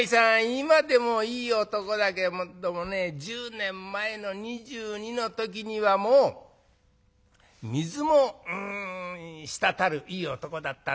今でもいい男だけどもね１０年前の２２の時にはもう水も滴るいい男だったね。